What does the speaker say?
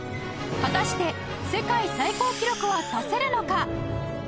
果たして世界最高記録は出せるのか？